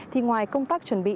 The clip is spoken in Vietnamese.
thì ngoài công tác chuẩn bị